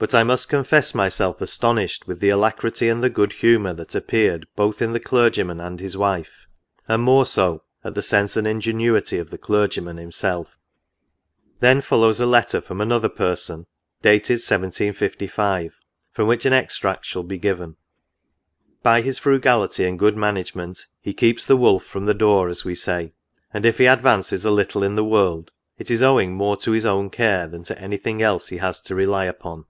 But I must confess myself" astonished with the alacrity and the good humour that ap peared both in the clergyman and his wife, and more so, at the sense and ingenuity of the clergyman himself." Then follows a letter, from another person, dated 1755, from which an extract shall be given. " By his frugality and good management, he keeps the wolf from the door, as we say ; and if he advances a little in the world, it is owing more to his own care, than to any thing else he has to rely upon.